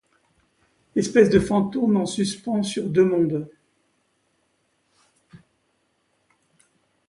Espèce de fantôme en suspens sur deux mondes